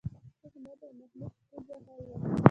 د احمد او محمود ستونزه حل وه